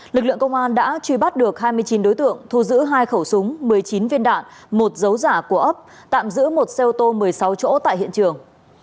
lực lượng công an đã truy bắt được hai mươi chín đối tượng thu giữ hai khẩu súng một mươi chín viên đạn một dấu giả của ấp tạm giữ một xe ô tô một mươi sáu chỗ tại hiện trường